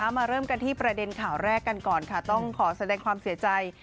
เริ่มกันที่ประเด็นข่าวแรกกันก่อนค่ะต้องขอแสดงความเสียใจ